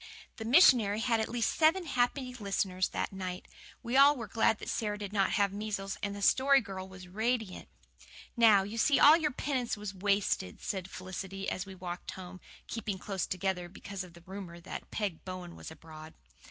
The missionary had at least seven happy listeners that night. We were all glad that Sara did not have measles, and the Story Girl was radiant. "Now you see all your penance was wasted," said Felicity, as we walked home, keeping close together because of the rumour that Peg Bowen was abroad.